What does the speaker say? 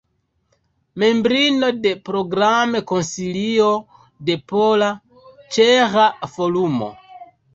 Membrino de Program-Konsilio de Pola-Ĉeĥa Forumo.